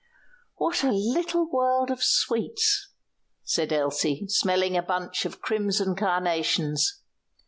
"What a little world of sweets!" said Elsie, smelling a bunch of crimson carnations.